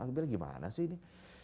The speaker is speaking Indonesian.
akhirnya gimana sih ini